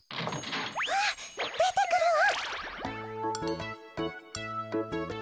あっでてくるわ。